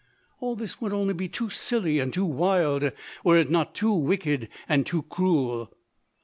All this would be only too silly and too wild, were it not too wicked and too cruel.